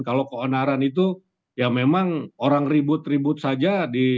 kalau keonaran itu ya memang orang ribut ribut saja